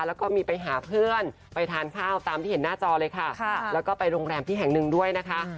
แล้วก็มีไปหาเพื่อนไปทานข้าวตามที่เห็นหน้าจอเลยค่ะแล้วก็ไปโรงแรมที่แห่งหนึ่งด้วยนะคะ